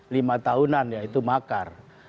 lima tahunan ya itu makar